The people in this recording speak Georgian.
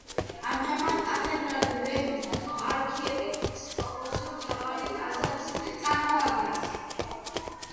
ამჟამად კათედრალი რეიმსის არქიეპისკოპოსის მთავარ ტაძარს წარმოადგენს.